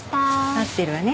待ってるわね。